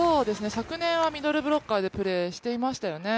昨年はミドルブロッカーでプレーしていましたよね。